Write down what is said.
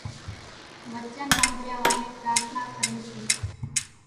وچن ۿنڀرايا وانھين پرارٿنا ڪري سي